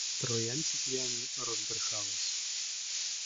Троянці п'яні розбрехались